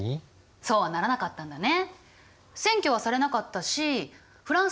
そうはならなかったんだね。